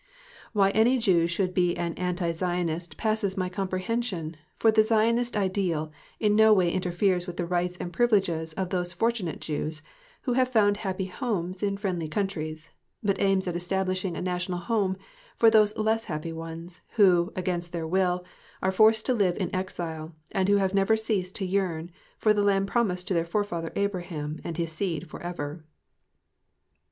Why any Jew should be an anti Zionist passes my comprehension, for the Zionist ideal in no way interfe with the rights and privileges of those fortunate Jews who have found happy homes in friendly countries, but aims at establishing a national home for those less happy ones, who, against their will, are forced to live in exile, and who have never ceased to yearn for the land promised to their forefather Abraham and his seed for ever.